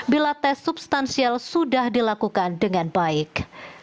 bila tes substansial sudah dilakukan dengan baik